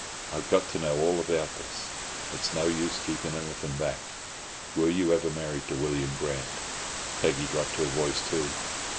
"I've got to know all about this. It's no use keeping anything back. Were you ever married to William Grant?" Peggy dropped her voice too.